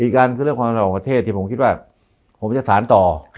การคือเรื่องความระหว่างประเทศที่ผมคิดว่าผมจะสารต่อ